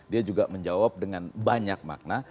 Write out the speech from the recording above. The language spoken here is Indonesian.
dia juga menjawab dengan banyak makna